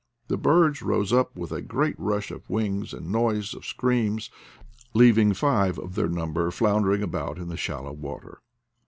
The birds rose up with a great rush of wings and noise of screams, leaving five of theii* number flounder ing about in the shallow water.